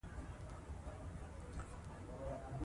په هنر کې د هر چا د رنګ او فکر لپاره ځای شته دی.